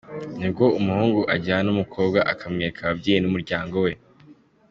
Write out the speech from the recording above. Nibwo umuhungu ajyana umukobwa akamwereka ababyeyi n’umuryango we.